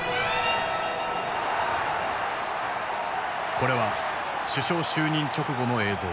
これは首相就任直後の映像。